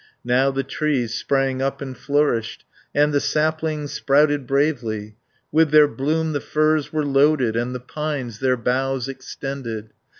Now the trees sprang up and flourished, And the saplings sprouted bravely. With their bloom the firs were loaded, And the pines their boughs extended.